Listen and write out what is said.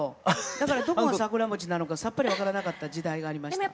だからどこが桜餅なのかさっぱり分からなかった時代がありました。